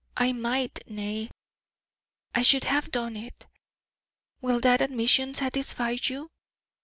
I might, nay, I should have done it. Will that admission satisfy you?"